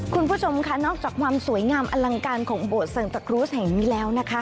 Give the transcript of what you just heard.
คุณผู้ชมค่ะนอกจากความสวยงามอลังการของโบสถันตะครูสแห่งนี้แล้วนะคะ